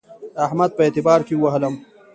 احمد په اعتبار کې ووهلم.